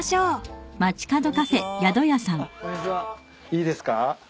いいですか？